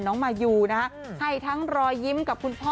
มายูนะฮะให้ทั้งรอยยิ้มกับคุณพ่อ